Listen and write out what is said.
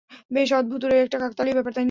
বেশ অদ্ভুতুড়ে একটা কাকতালীয় ব্যাপার, তাই না?